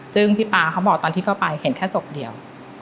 ซึ่งพี่ป๊าเขาบอกตอนที่เข้าไปเห็นแค่ศพเดียว